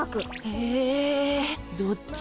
ええどっち？